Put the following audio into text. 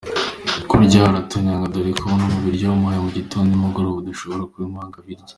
Kurya aratoranya dore ko nk’ ibiryo wamuhaye mu gitondo nimugoroba udashobora kubimuha ngo abirye.